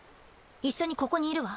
一緒にここにいるわ。